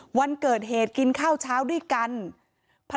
ชาวบ้านในพื้นที่บอกว่าปกติผู้ตายเขาก็อยู่กับสามีแล้วก็ลูกสองคนนะฮะ